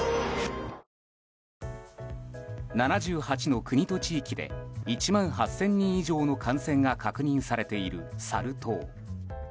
７８の国と地域で１万８０００人以上の感染が確認されている、サル痘。